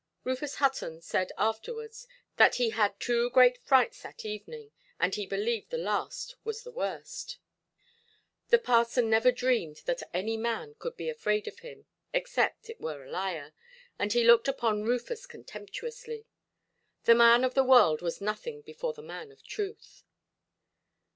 Rufus Hutton said afterwards that he had two great frights that evening, and he believed the last was the worst. The parson never dreamed that any man could be afraid of him, except it were a liar, and he looked upon Rufus contemptuously. The man of the world was nothing before the man of truth.